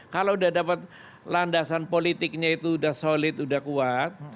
kalau udah dapat landasan politiknya itu udah solid sudah kuat